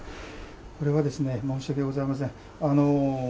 これはですね、申し訳ございません。